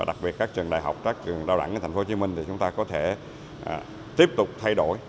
đặc biệt các trường đại học các trường đào đẳng thành phố hồ chí minh thì chúng ta có thể tiếp tục thay đổi